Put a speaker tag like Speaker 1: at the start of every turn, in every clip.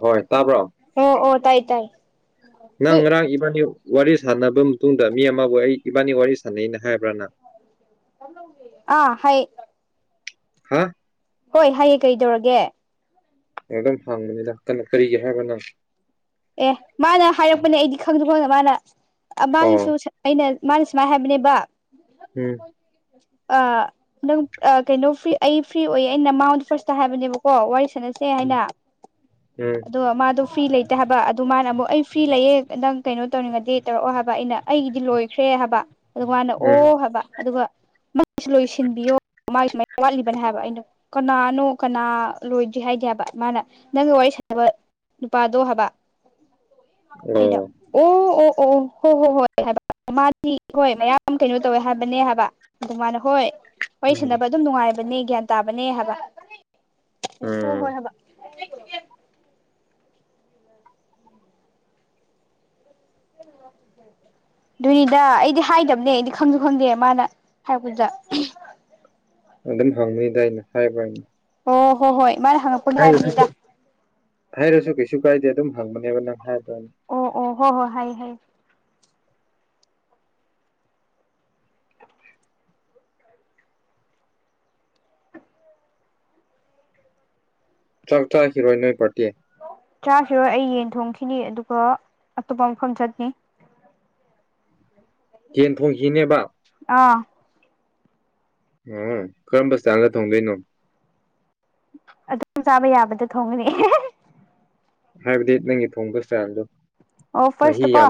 Speaker 1: ꯍꯣꯏ ꯇꯥꯕ꯭ꯔꯣ
Speaker 2: ꯑꯣ ꯑꯣ ꯇꯥꯏ ꯇꯥꯏ
Speaker 1: ꯅꯪ
Speaker 2: ꯅꯣꯏ
Speaker 1: ꯉꯔꯥꯡ ꯏꯕꯥꯅꯤ ꯋꯥꯔꯤ ꯁꯥꯟꯅꯕ ꯃꯇꯨꯡꯗ ꯃꯤ ꯑꯃꯕꯨ ꯑꯩ ꯏꯕꯥꯅꯤ ꯋꯥꯔꯤ ꯁꯥꯟꯅꯩꯅ ꯍꯥꯏꯕ꯭ꯔꯥ ꯅꯪ
Speaker 2: ꯑꯥ ꯍꯥꯌꯦ
Speaker 1: ꯍꯥ
Speaker 2: ꯍꯣꯏ ꯍꯥꯏꯌꯦ ꯀꯩꯗꯧꯔꯒꯦ
Speaker 1: ꯑꯗꯨꯝ ꯍꯥꯡꯕꯅꯤꯗ ꯀꯔꯤꯒꯤ ꯍꯥꯏꯕꯅꯣ
Speaker 2: ꯑꯦ ꯃꯥꯅ ꯍꯥꯏꯔꯛꯄꯅꯦ ꯑꯩꯗꯤ ꯈꯪꯁꯨ ꯈꯪꯗ ꯃꯥꯅ ꯑꯄꯥꯒꯤꯁꯨ
Speaker 1: ꯑꯣ
Speaker 2: ꯑꯩꯅ ꯃꯥꯅ ꯁꯨꯃꯥꯏꯅ ꯍꯥꯏꯕꯅꯦꯕ
Speaker 1: ꯎꯝ
Speaker 2: ꯑꯥ ꯅꯪ ꯀꯩꯅꯣ ꯐ꯭ꯔꯤ ꯑꯩ ꯐ꯭ꯔꯤ ꯑꯣꯏꯌꯦ ꯑꯩꯅ ꯃꯥꯉꯣꯟ ꯐꯥꯔꯁꯇ ꯍꯥꯏꯕꯅꯦꯕꯀꯣ ꯋꯥꯔꯤ ꯁꯥꯟꯅꯁꯤ ꯁꯦ ꯍꯥꯏꯅ
Speaker 1: ꯎꯝ
Speaker 2: ꯑꯗꯣ ꯃꯥꯗꯣ ꯐ꯭ꯔꯤ ꯂꯩꯇꯦ ꯍꯥꯏꯕ ꯑꯗꯨ ꯃꯥꯅ ꯑꯃꯨꯛ ꯑꯩ ꯐ꯭ꯔꯤ ꯂꯩꯌꯦ ꯅꯪ ꯀꯩꯅꯣ ꯇꯧꯅꯤꯡꯉꯗꯤ ꯇꯧꯔꯛꯑꯣ ꯍꯥꯏꯕ ꯑꯩꯅ ꯑꯩꯒꯤꯗꯤ ꯂꯣꯏꯈ꯭ꯔꯦ ꯍꯥꯏꯕ ꯑꯗꯨꯒ ꯃꯥꯅ
Speaker 1: ꯎꯝ
Speaker 2: ꯑꯣ ꯍꯥꯏꯕ ꯑꯗꯨꯒ ꯃꯥꯒꯤꯁꯨ ꯂꯣꯏꯁꯤꯟꯕꯤꯌꯣ ꯃꯥꯒꯤ ꯁꯨꯃꯥꯏ ꯋꯥꯠꯂꯤꯕꯅꯦ ꯍꯥꯏꯕ ꯑꯩꯅ ꯀꯅꯥꯅꯣ ꯀꯅꯥ ꯂꯣꯏꯗ꯭ꯔꯤ ꯍꯥꯏꯒꯦ ꯍꯥꯢꯕ ꯃꯥꯅ ꯅꯪꯒ ꯋꯥꯔꯤ ꯁꯥꯟꯅꯕ ꯅꯨꯄꯥꯗꯣ ꯏꯅꯣ
Speaker 1: ꯑꯣ
Speaker 2: [inaudible] ꯑꯣ ꯑꯣ ꯑꯣ ꯍꯣꯏ ꯍꯣ ꯍꯣꯏ ꯍꯥꯏꯕ ꯃꯥꯗꯤ ꯍꯣꯏ ꯃꯌꯥꯝ ꯀꯩꯅꯣ ꯇꯧꯋꯦ ꯍꯥꯏꯕꯅꯦ ꯍꯥꯏꯕ ꯑꯗꯨꯃꯥꯏꯅ ꯍꯣꯏ ꯋꯥꯔꯤ
Speaker 1: ꯎꯝ
Speaker 2: ꯁꯥꯟꯅꯕ ꯑꯗꯨꯝ ꯅꯨꯡꯉꯥꯏꯕꯅꯦ ꯒ꯭ꯌꯥꯟ ꯇꯥꯕꯅꯦ ꯍꯥꯏꯕ ꯍꯣ
Speaker 1: ꯎꯝ
Speaker 2: ꯍꯣꯏ ꯍꯥꯏꯕ
Speaker 1: [inaudible]
Speaker 2: ꯗꯨꯅꯤꯗ ꯑꯩꯗꯤ ꯍꯥꯏꯗꯕꯅꯦ ꯑꯩꯗꯤ ꯈꯪꯁꯨ ꯈꯪꯗꯦ ꯃꯥꯅ ꯍꯥꯏꯔꯛꯄꯗꯨꯗ
Speaker 1: ꯑꯗꯨꯝ ꯍꯪꯕꯅꯤꯗ ꯑꯩꯅ ꯍꯥꯏꯕ
Speaker 2: ꯑꯣ ꯍꯣ ꯍꯣꯏ ꯃꯥꯅ ꯍꯪꯉꯛ
Speaker 1: ꯍꯥꯏꯔꯁꯨ ꯍꯥꯏꯔꯁꯨ ꯀꯩꯁꯨ ꯀꯥꯏꯗꯦ ꯑꯗꯨꯝ ꯍꯪꯕꯅꯦꯕ ꯅꯪ ꯍꯥꯏꯕꯔꯅ
Speaker 2: ꯑꯣ ꯑꯣ ꯍꯣ ꯍꯣ ꯍꯥꯏ ꯍꯥꯏ
Speaker 1: ꯆꯥꯛ ꯆꯥꯈꯤꯔꯣꯏ ꯅꯣꯏ ꯄꯔꯇꯤ
Speaker 2: ꯆꯥꯈꯤꯔꯣꯏ ꯑꯩ ꯌꯦꯟ ꯊꯣꯡꯈꯤꯅꯤ ꯑꯗꯨꯒ ꯑꯇꯣꯞꯄ ꯃꯐꯝ ꯆꯠꯅꯤ
Speaker 1: ꯌꯦꯟ ꯊꯣꯡꯈꯤꯅꯦꯕ
Speaker 2: ꯑꯥ
Speaker 1: ꯑꯣ ꯀꯔꯝꯕ ꯢꯁꯇꯥꯟꯗ ꯊꯣꯡꯗꯣꯏꯅꯣ
Speaker 2: ꯑꯗꯨꯝ ꯆꯥꯕ ꯌꯥꯕꯗꯣ ꯊꯣꯡꯒꯅꯤ
Speaker 1: ꯍꯥꯏꯕꯗꯤ ꯅꯪꯒꯤ ꯊꯣꯡꯕ ꯏꯁꯇꯥꯏꯜꯗꯣ
Speaker 2: ꯑꯣ ꯐꯥꯔꯁꯇꯀꯣ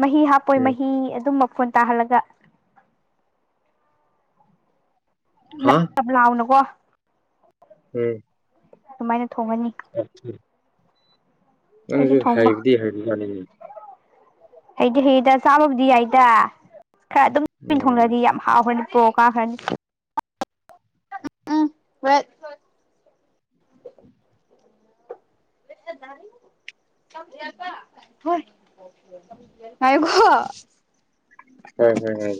Speaker 2: ꯃꯍꯤ ꯍꯥꯞꯄꯣꯏ
Speaker 1: ꯎꯝ
Speaker 2: ꯃꯍꯤ ꯑꯗꯨꯝ ꯃꯐꯣꯟ ꯇꯥꯍꯜꯂꯒ
Speaker 1: ꯍꯥ
Speaker 2: ꯌꯥꯝ ꯂꯥꯎꯅꯀꯣ
Speaker 1: ꯎꯝ
Speaker 2: ꯑꯗꯨꯃꯥꯏꯅ ꯊꯣꯡꯉꯅꯤ
Speaker 1: ꯑ [inaudible]
Speaker 2: ꯑꯩꯁꯨ
Speaker 1: ꯅꯪꯁꯨ
Speaker 2: ꯊꯣꯡꯕ
Speaker 1: ꯍꯥꯏꯕꯗꯤ ꯍꯥꯏꯕ ꯃꯜꯂꯦ
Speaker 2: ꯍꯩꯗꯤ ꯍꯩꯌꯦꯗ ꯆꯥꯕꯕꯨꯗꯤ ꯌꯥꯏꯗ ꯈꯔ ꯑꯗꯨꯝ ꯑꯩꯅ
Speaker 1: ꯎꯝ
Speaker 2: ꯊꯣꯡꯉꯥꯗꯤ ꯌꯥꯝ ꯍꯥꯎꯈ꯭ꯔꯅꯤ ꯒꯣ ꯀꯥꯈ꯭ꯔꯅꯤ ꯎꯝ ꯍꯣꯏ ꯄꯥꯢꯌꯨꯒꯣ
Speaker 1: ꯍꯣꯢ ꯍꯣꯢ ꯍꯣꯢ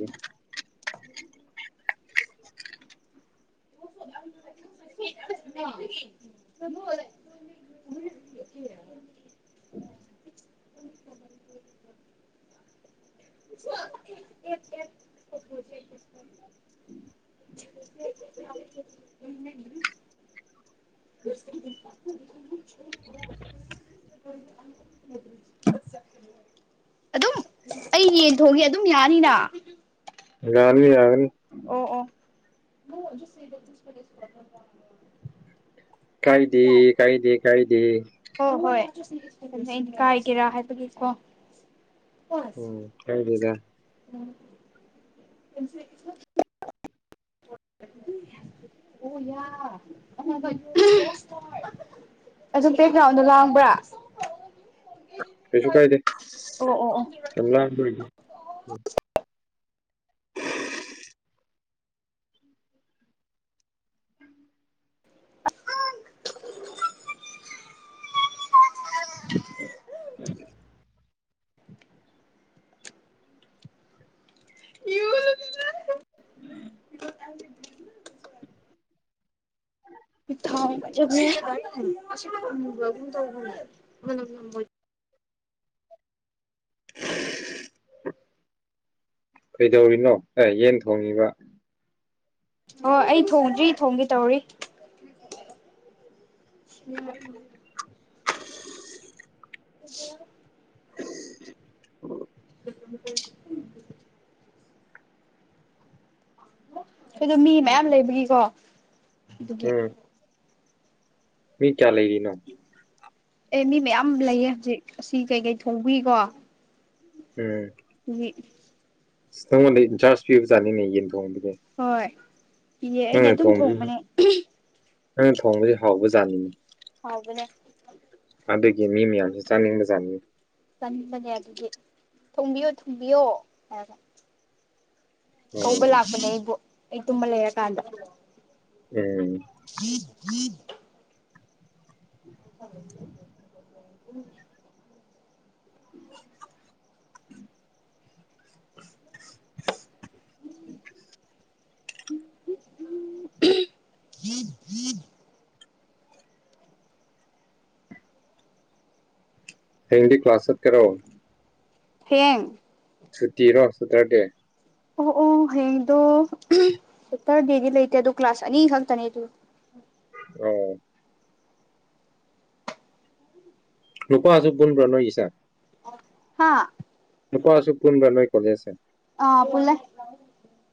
Speaker 2: [inaudible]
Speaker 1: ꯎꯝ
Speaker 2: ꯁ [inaudible] ꯑꯦ [inaudible] ꯎ [inaudible] [unintelligible]
Speaker 1: [unintelligible]
Speaker 2: ꯑꯗꯨ [inaudible] ꯑꯩ ꯌꯦꯟ ꯊꯣꯡꯒꯦ ꯑꯗꯨꯝ ꯌꯥꯅꯤꯅ
Speaker 1: ꯌꯥꯒꯥꯅꯤ ꯌꯥꯒꯥꯅꯤ
Speaker 2: ꯑꯣ ꯑꯣ
Speaker 1: ꯀꯥꯏꯗꯦ ꯀꯥꯏꯗꯦ ꯀꯥꯏꯗꯦ
Speaker 2: ꯍꯣ ꯍꯣꯏ ꯑꯩꯅ ꯀꯥꯏꯒꯦꯔꯥ ꯍꯥꯏꯕꯗꯨꯀꯣ ꯀꯁꯤꯝ
Speaker 1: ꯎꯝ ꯀꯥꯏꯗꯦꯗ
Speaker 2: [inaudible]
Speaker 1: [inaudible]
Speaker 2: ꯑꯣ ꯌꯥ ꯑ [unintelligible] ꯑꯗꯨ ꯕꯦꯛ ꯒ꯭ꯔꯥꯎꯟꯗꯣ ꯂꯥꯡꯕ꯭ꯔꯥ
Speaker 1: ꯀꯩꯁꯨ ꯀꯥꯏꯗꯦ
Speaker 2: ꯑꯣ ꯑꯣ ꯑꯣ
Speaker 1: ꯆꯦ [unintelligible]
Speaker 2: [inaudible]
Speaker 1: ꯎꯝ ꯎꯝ [inaudible]
Speaker 2: ꯏ [inaudible]
Speaker 1: ꯎꯝ [inaudible] ꯎꯝ
Speaker 2: ꯄ ꯊꯥꯎꯖ [inaudible]
Speaker 1: ꯀꯩꯗꯧꯔꯤꯅꯣ ꯑꯦ ꯌꯦꯟ ꯊꯣꯡꯉꯤꯕ
Speaker 2: ꯑꯣ ꯑꯩ ꯊꯣꯡꯗ꯭ꯔꯤ ꯊꯣꯡꯒꯦ ꯇꯧꯔꯤ ꯑꯗꯨ [inaudible]
Speaker 1: ꯎ [inaudible]
Speaker 2: ꯎ [unintelligible] ꯑꯗꯣ ꯃꯤ ꯃꯌꯥꯝ ꯂꯩꯕꯒꯤꯀꯣ ꯑꯗꯨꯒꯤ
Speaker 1: ꯎꯝ ꯃꯤ ꯀꯌꯥ ꯂꯩꯔꯤꯅꯣ
Speaker 2: ꯑꯦ ꯃꯤ ꯃꯌꯥꯝ ꯂꯩꯌꯦ ꯍꯧꯖꯤꯛ ꯑꯁꯤ ꯀꯩꯀꯩ ꯊꯣꯡꯕꯒꯤꯀꯣ
Speaker 1: ꯎꯝ
Speaker 2: ꯍ [unintelligible]
Speaker 1: ꯅꯪꯉꯣꯟꯗ ꯏꯟꯆꯥꯔꯖ ꯄꯤꯕꯖꯥꯅꯤꯅꯦ ꯌꯦꯟ ꯊꯣꯡꯕꯒꯤ
Speaker 2: ꯍꯣꯏ ꯏꯌꯦ ꯑꯩꯅ
Speaker 1: ꯅꯪꯅ
Speaker 2: ꯑꯗꯨꯝ
Speaker 1: ꯊꯣꯡꯕꯕꯁꯤ
Speaker 2: ꯊꯣꯡꯕꯅꯦ
Speaker 1: ꯅꯪꯅ ꯊꯣꯡꯕꯁꯤ ꯍꯥꯎꯕꯖꯥꯅꯤꯅꯦ
Speaker 2: ꯍꯥꯎꯕꯅꯦ
Speaker 1: ꯑꯗꯒꯤ ꯃꯤ ꯃꯌꯥꯝꯁꯨ ꯆꯥꯅꯤꯡꯕ ꯆꯥꯅꯤꯡꯕꯥꯖꯠꯅꯤꯅꯦ
Speaker 2: ꯆꯟꯕꯅꯦ ꯑꯗꯨꯒꯤ ꯊꯣꯡꯕꯤꯌꯣ ꯊꯣꯡꯕꯤꯌꯣ ꯍꯥꯏ ꯀꯧꯕ
Speaker 1: ꯑꯣ
Speaker 2: ꯂꯥꯛꯄꯅꯦ ꯑꯩꯕꯨ ꯑꯩ ꯇꯨꯝꯕ ꯂꯩꯔꯀꯥꯟꯗ
Speaker 1: ꯎꯝ
Speaker 2: ꯍ ꯎꯝ [inaudible] ꯎꯝ [inaudible] ꯏ [inaudible]
Speaker 1: ꯍꯥꯌꯦꯡꯗꯤ ꯀ꯭ꯂꯥꯁ ꯆꯠꯀꯔꯔꯣ
Speaker 2: ꯍꯥꯌꯦꯡ
Speaker 1: ꯁꯨꯇꯤꯔꯣ ꯁꯇꯔꯗꯦ
Speaker 2: ꯑꯣ ꯑꯣ ꯍꯌꯦꯡꯗꯣ ꯆꯦꯞꯇꯔ ꯗꯦꯗꯤ ꯂꯩꯇꯦ ꯑꯗꯨ ꯀ꯭ꯂꯥꯁ ꯑꯅꯤ ꯈꯛꯇꯅꯦ ꯑꯗꯨ
Speaker 1: ꯑꯣ ꯅꯨꯄꯥꯁꯨ ꯄꯨꯟꯕꯔꯥ ꯅꯣꯏꯒꯤꯁꯦ
Speaker 2: ꯍꯥ
Speaker 1: ꯅꯨꯄꯥꯁꯨ ꯄꯨꯟꯕꯔ ꯅꯣꯏ ꯀꯣꯂꯦꯖꯁꯦ
Speaker 2: ꯑꯥ ꯄꯨꯜꯂꯦ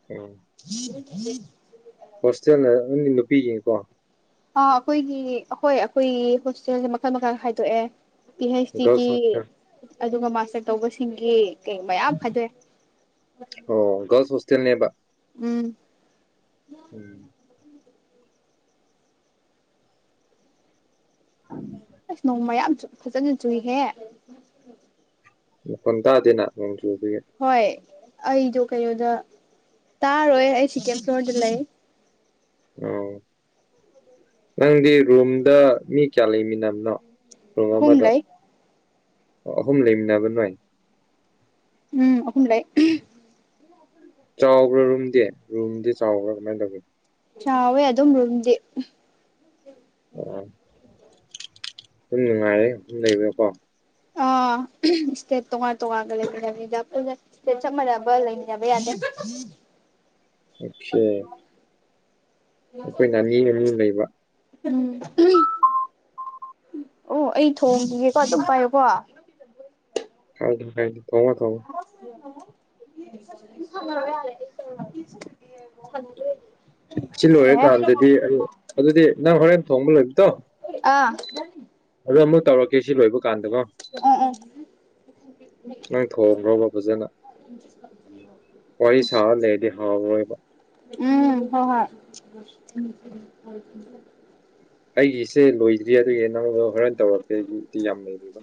Speaker 1: ꯎꯝ
Speaker 2: ꯍ ꯍ [inaudible]
Speaker 1: ꯍꯣꯁꯇꯦꯜꯅ ꯑꯗꯨꯝ ꯅꯨꯄꯤꯒꯤꯅꯤꯀꯣ
Speaker 2: ꯑ ꯑꯩꯈꯣꯏꯒꯤ ꯑꯣꯈꯣꯏ ꯑꯩꯈꯣꯏꯒꯤ ꯍꯣꯁꯇꯦꯜꯁꯦ ꯃꯥꯈꯜ ꯃꯥꯈꯜ ꯈꯥꯏꯗꯣꯛꯌꯦ ꯄꯤ ꯍꯩꯆ ꯗꯤꯒꯤ
Speaker 1: ꯒꯔꯜꯁ ꯍꯣꯁꯇꯦꯜ
Speaker 2: ꯑꯗꯨꯒ ꯃꯥꯁꯇꯔ ꯇꯧꯕꯁꯤꯡꯒꯤ ꯀꯩ ꯃꯌꯥꯝ ꯐꯥꯏꯗꯣꯛꯌꯦ
Speaker 1: ꯑꯣ ꯒꯔꯜꯁ ꯍꯣꯁꯇꯦꯜꯅꯦꯕ
Speaker 2: ꯎꯝ
Speaker 1: ꯎꯝ ꯑ [inaudible]
Speaker 2: ꯑꯁ ꯅꯣꯡ ꯃꯌꯥꯝ ꯐꯖꯅ ꯆꯨꯏꯍꯦ
Speaker 1: ꯃꯍꯣꯟ ꯇꯗꯦꯅ ꯅꯣꯡꯆꯨꯕꯒꯤ
Speaker 2: ꯍꯣꯏ ꯑꯩꯗꯣ ꯀꯩꯅꯣꯗ ꯇꯥꯔꯣꯏ ꯑꯩ ꯁꯤꯀꯦꯟ ꯐ꯭ꯂꯣꯔꯗ ꯂꯩ
Speaker 1: ꯑꯣ ꯅꯪꯗꯤ ꯔꯨꯝꯗ ꯃꯤ ꯀꯌꯥ ꯂꯩꯃꯤꯟꯅꯕꯅꯣ ꯔꯨꯝ
Speaker 2: ꯑꯍꯨꯝ
Speaker 1: ꯑꯃꯗ
Speaker 2: ꯂꯩ
Speaker 1: ꯑꯍꯨꯝ ꯂꯩꯃꯤꯕꯅ ꯅꯣꯏ
Speaker 2: ꯎꯝ ꯑꯍꯨꯝ ꯂꯩ ꯎꯝ
Speaker 1: ꯆꯥꯎꯕ꯭ꯔꯥ ꯔꯨꯝꯗꯤ ꯔꯨꯝꯗꯤ ꯆꯥꯎꯕ꯭ꯔꯥ ꯀꯃꯥꯏꯅ ꯇꯧꯒꯦ
Speaker 2: ꯆꯥꯎꯋꯦ ꯑꯗꯨꯝ ꯔꯣꯝꯗꯤ
Speaker 1: ꯎꯝ ꯑꯗꯨꯝ ꯅꯨꯡꯉꯥꯏꯌꯦ ꯑꯗꯨꯝ ꯂꯩꯕꯗꯥꯀꯣ
Speaker 2: ꯑꯥ ꯁꯇꯦꯠ ꯇꯣꯉꯥꯟ ꯇꯣꯉꯥꯟ ꯒꯥ ꯂꯩꯃꯤꯟꯅꯕꯅꯤꯅꯥ ꯄꯨꯟꯅ ꯏꯁꯇꯦꯠ ꯆꯥꯞ ꯃꯥꯟꯅꯕ ꯂꯩꯃꯤꯟꯅꯕ ꯌꯥꯗꯦ
Speaker 1: ꯑꯆꯥ ꯑꯩꯈꯣꯏꯅ ꯑꯅꯤ ꯑꯅꯤ ꯂꯩꯕ
Speaker 2: ꯎꯝ ꯑꯣ ꯑꯩ ꯊꯣꯡꯈꯤꯒꯦꯀꯣ ꯑꯗꯨꯝ ꯄꯥꯏꯌꯨꯀꯣ
Speaker 1: ꯀꯥꯏꯗꯦ ꯀꯥꯏꯗꯦ ꯊꯣꯡꯉꯣ ꯊꯣꯡꯉꯣ
Speaker 2: [inaudible]
Speaker 1: ꯁꯤ ꯂꯣꯏꯔꯀꯥꯟꯗꯗꯤ ꯑꯩ ꯑꯗꯨꯗꯤ ꯅꯪ ꯍꯣꯔꯦꯟ ꯊꯣꯡꯕ ꯂꯣꯏꯕꯗꯣ
Speaker 2: ꯑꯥ
Speaker 1: ꯑꯗꯣ ꯑꯃꯨꯛ ꯇꯧꯔꯛꯀꯦ ꯁꯤ ꯂꯣꯏꯕ ꯀꯥꯟꯗꯀꯣ
Speaker 2: ꯎꯝ ꯎꯝ
Speaker 1: ꯅꯣꯢ ꯊꯣꯡꯈ꯭ꯔꯣꯕ ꯐꯖꯅ ꯋꯥꯔꯤ ꯁꯥ ꯂꯩꯔꯗꯤ ꯍꯥꯎꯔꯔꯣꯏꯕ
Speaker 2: ꯎꯝ ꯍꯣ ꯍꯣꯏ [inaudible] [inaudible]
Speaker 1: ꯑꯩꯒꯤꯁꯦ ꯂꯣꯏꯗ꯭ꯔꯤ ꯑꯗꯨꯒꯤ ꯅꯪꯗꯣ ꯍꯣꯔꯦꯟ ꯇꯧꯔꯛꯀꯦ ꯑꯩꯒꯤ ꯏꯗꯤ ꯌꯥꯝ ꯂꯩꯔꯤꯕ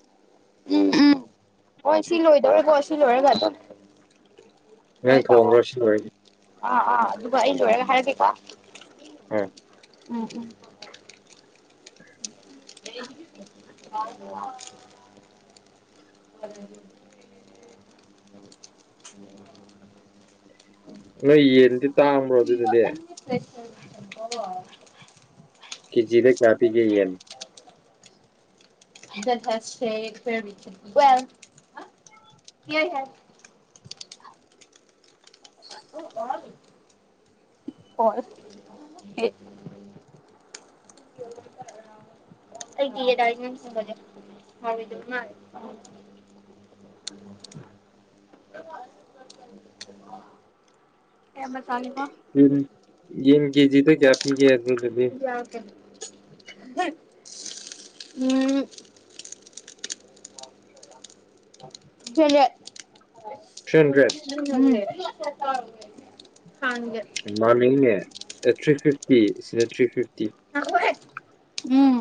Speaker 2: ꯎꯝ ꯎꯝ ꯑꯣ ꯁꯤ ꯂꯣꯏꯗꯧꯔꯦꯀꯣ ꯁꯤ ꯂꯣꯏꯔꯒ ꯑꯗꯨꯝ ꯀꯦ
Speaker 1: ꯅꯪ
Speaker 2: ꯇꯧꯑꯣ
Speaker 1: ꯊꯣꯡꯈ꯭ꯔꯣ ꯁꯤ ꯂꯣꯏꯔꯒ
Speaker 2: ꯑꯥ ꯑꯥ ꯑꯗꯨꯒ ꯑꯩ ꯂꯣꯏꯔꯒ ꯍꯥꯏꯔꯒꯦꯀꯣ
Speaker 1: ꯎꯝ
Speaker 2: ꯎꯝ ꯎꯝ [unintelligible] ꯑ [unintelligible]
Speaker 1: ꯅꯣꯏ ꯌꯦꯟꯗꯤ ꯇꯥꯡꯕ꯭ꯔꯣ ꯑꯗꯨꯗꯗꯤ
Speaker 2: [unintelligible]
Speaker 1: ꯀꯦꯖꯤꯗ ꯀꯌꯥꯄꯤꯒꯦ ꯌꯦꯟ
Speaker 2: [unintelligible] [unintelligible]
Speaker 1: [inaudible]
Speaker 2: ꯑꯩꯗꯤ [unintelligible] ꯍꯥꯎꯔꯣꯢꯗꯕ ꯃꯥꯜꯂꯦ
Speaker 1: [inaudible]
Speaker 2: [unintelligible] ꯑꯩ ꯑꯃꯆꯥꯅꯤꯀꯣ
Speaker 1: ꯎꯝ ꯌꯦꯟ ꯀꯖꯤꯗ ꯀꯌꯥ ꯄꯤꯒꯦ ꯑꯗꯨꯗꯗꯤ
Speaker 2: ꯌꯥ ꯀꯦ ꯍꯨꯝ ꯎꯝ ꯖꯣꯢꯂꯦꯠ
Speaker 1: ꯊ꯭ꯔꯤ ꯍꯟꯗ꯭ꯔꯦꯠ
Speaker 2: ꯎꯝ ꯍꯥꯟꯗꯦ
Speaker 1: ꯃꯃꯤꯡꯅꯦ ꯑꯦ ꯊ꯭ꯔꯤ ꯐꯤꯐꯇꯤ ꯁꯤꯅ ꯊ꯭ꯔꯤ ꯐꯤꯐꯇꯤ
Speaker 2: ꯉꯥꯈꯣꯍꯦ ꯎꯝ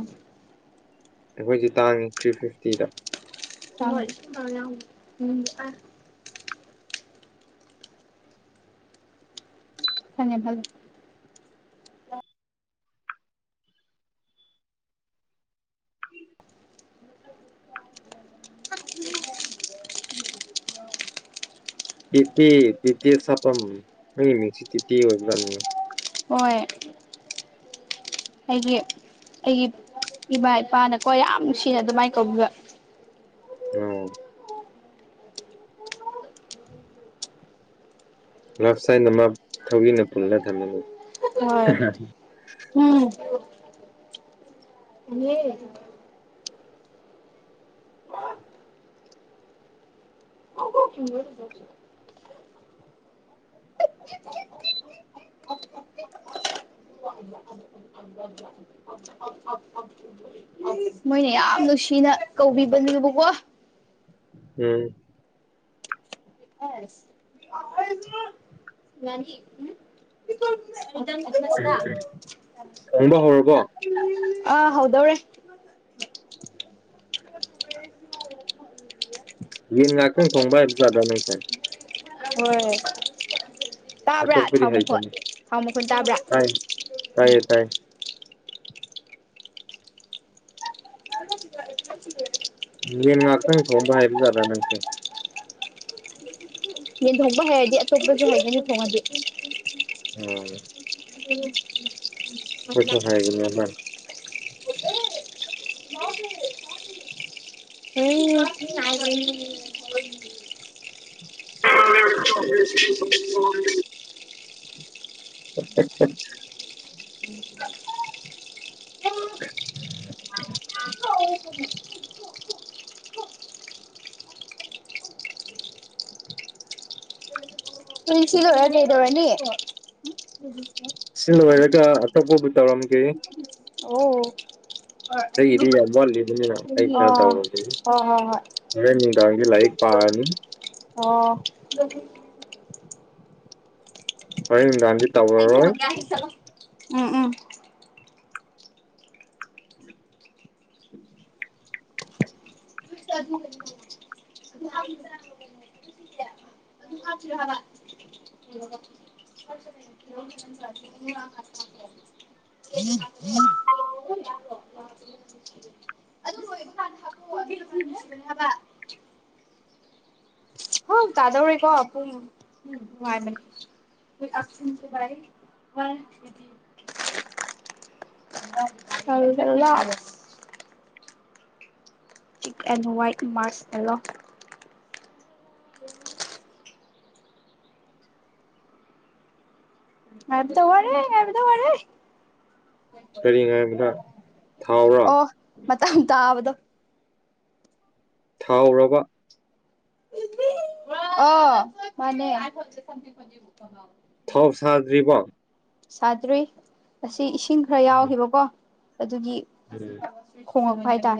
Speaker 1: ꯑꯩꯈꯣꯏꯒꯤ ꯇꯥꯡ ꯊ꯭ꯔꯤ ꯐꯤꯐꯇꯤꯗ
Speaker 2: ꯆꯥꯎꯋꯦ [unintelligible] ꯐꯅꯦ ꯐꯂꯨꯢ
Speaker 1: ꯇꯤꯠꯇꯤ ꯇꯤꯇꯤ ꯁꯥꯄꯝ ꯅꯪꯒꯤ ꯃꯤꯡꯁꯦ ꯇꯤꯇꯤ ꯑꯣꯢꯕ꯭ꯔꯥ ꯎꯝ
Speaker 2: ꯍꯣꯏ꯫ ꯑꯩꯒꯤ ꯑꯩꯒꯤ ꯏꯃꯥ ꯏꯄꯥꯅꯀꯣ ꯌꯥꯝ ꯅꯨꯡꯁꯤꯅ ꯑꯗꯨꯃꯥꯏꯅ ꯀꯧꯕꯤꯕ꯫
Speaker 1: [inaudible] ꯂꯥꯞ ꯁꯥꯏꯟ ꯑꯃꯥ ꯊꯧꯒꯤꯅ ꯄꯨꯜꯂ ꯊꯝꯅꯤ꯫
Speaker 2: ꯎꯝ꯫ [inaudible] [inaudible] ꯃꯣꯏꯅ ꯌꯥꯝ ꯅꯨꯡꯁꯤꯅ ꯀꯧꯕꯤꯕꯅꯦꯕꯀꯣ꯫
Speaker 1: ꯎꯝ꯫
Speaker 2: ꯑꯁ [inaudible] ꯉꯅꯤ ꯎꯝ [unintelligible]
Speaker 1: ꯎꯝ ꯎꯝ ꯊꯣꯡꯕ ꯍꯧꯔꯕꯣ
Speaker 2: ꯑ ꯍꯥꯎꯗꯧꯔꯦ
Speaker 1: ꯌꯦ ꯉꯥꯛꯇꯪ ꯊꯣꯡꯕ ꯍꯩꯕꯖꯠꯂ ꯅꯪꯁꯦ
Speaker 2: ꯍꯣꯏ ꯇꯥꯕ꯭ꯔꯥ
Speaker 1: ꯆꯥꯊꯣꯛꯄꯗꯤ
Speaker 2: ꯊꯥꯎ ꯃꯈꯣꯟ
Speaker 1: ꯍꯩꯇꯕꯅꯤ
Speaker 2: ꯊꯥꯎ ꯃꯈꯣꯟ ꯇꯥꯕ꯭ꯔꯥ
Speaker 1: ꯇꯥꯏ
Speaker 2: ꯎꯝ
Speaker 1: ꯇꯥꯏꯌꯦ ꯇꯥꯏ ꯌꯦꯟ ꯉꯥꯛꯇꯪ ꯊꯣꯡꯕ ꯍꯩꯕꯖꯥꯠꯂ ꯅꯪꯁꯦ꯫
Speaker 2: ꯌꯦꯟ ꯊꯣꯡꯕ ꯍꯥꯏꯔꯗꯤ ꯑꯇꯣꯞꯄꯁꯨ ꯍꯩꯒꯅꯤ ꯊꯣꯡꯉꯗꯤ꯫
Speaker 1: [inaudible]
Speaker 2: [inaudible]
Speaker 1: ꯑꯈꯣꯏꯁꯨ ꯍꯥꯏꯕꯅꯦꯕ꯫
Speaker 2: [inaudible] [inaudible] [inaudible]
Speaker 1: [unintelligible] [unintelligible]
Speaker 2: [unintelligible]
Speaker 1: [unintelligible]
Speaker 2: ꯄꯨꯟꯁꯤ ꯂꯣꯏꯔ ꯀꯩꯗꯧꯔꯅꯤ꯫
Speaker 1: ꯁꯤ ꯂꯣꯏꯔꯒ ꯑꯇꯣꯞꯄꯕꯨ ꯇꯧꯔꯝꯒꯦ꯫
Speaker 2: ꯑꯣ꯫
Speaker 1: ꯑꯩꯗꯤ ꯌꯥꯝ ꯋꯥꯠꯂꯤꯕꯅꯤꯅ ꯑꯩ ꯈꯔ
Speaker 2: ꯑꯣ ꯍꯣꯏ
Speaker 1: ꯇꯧꯔꯒꯦ꯫
Speaker 2: ꯍꯣꯏ ꯍꯣꯏ
Speaker 1: ꯍꫭꯔꯦꯟ ꯅꯨꯡꯗꯥꯡꯗꯤ ꯂꯥꯏꯔꯤꯛ ꯄꯥꯔꯅꯤ꯫
Speaker 2: ꯍꯣ꯫
Speaker 1: ꯍꯣꯔꯦꯟ ꯅꯨꯡꯗꯥꯡꯗꯤ꯫ ꯇꯧꯔꯔꯣꯏ
Speaker 2: [unintelligible] ꯆꯠꯂꯣ ꯎꯝ ꯎꯝ꯫ [unintelligible] [inaudible] [unintelligible] ꯑꯗꯨ ꯍꯥꯞꯁꯤꯔ ꯍꯥꯕ꯫ [inaudible] [inaudible] [unintelligible] ꯇꯥꯗꯧꯔꯦꯀꯣ ꯄꯨꯡ꯫ ꯎꯝ ꯅꯨꯡꯉꯥꯏꯕꯅꯤ꯫ [unintelligible] ꯆꯠꯂꯨ ꯆꯠꯂꯨ ꯂꯥꯛꯑꯕꯣ꯫ ꯄꯤꯛ ꯑꯦꯟ ꯍꯋꯥꯠ ꯃꯥꯁ ꯑꯦꯂꯣ꯫ ꯉꯥꯏꯕꯗ ꯋꯥꯔꯦ ꯉꯥꯏꯕꯗ ꯋꯥꯔꯦ꯫
Speaker 1: ꯀꯔꯤ ꯉꯥꯏꯕꯗ꯫
Speaker 2: ꯑꯣ ꯃꯇꯥꯝ ꯇꯕꯗꯣ꯫
Speaker 1: ꯊꯥꯎꯔꯕ
Speaker 2: ꯑ ꯃꯅꯦ
Speaker 1: ꯊꯥꯎ ꯁꯥꯗ꯭ꯔꯤꯕꯣ
Speaker 2: ꯁꯥꯗ꯭ꯔꯤ ꯑꯁꯤ ꯏꯁꯤꯡ ꯈꯔ ꯌꯥꯎꯈꯤꯕꯀꯣ ꯑꯗꯨꯒꯤ
Speaker 1: ꯎꯝ
Speaker 2: ꯈꯣꯡꯉꯛꯄ ꯍꯥꯏ ꯇ